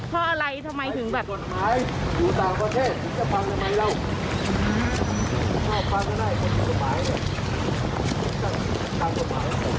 เพราะอะไรทำไมถึงแบบ